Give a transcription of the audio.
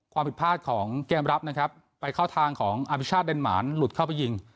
ความผิดพลาดของเกมรับนะครับไปเข้าทางของอภิชาติเดนหมานหลุดเข้าไปยิง